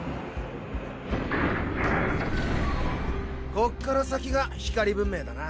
こっから先が光文明だな。